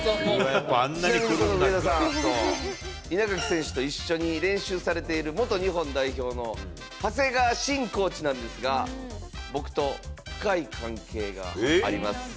稲垣選手と一緒に練習されている、元日本代表の長谷川慎コーチなんですが、僕と深い関係があります。